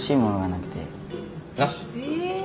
なし？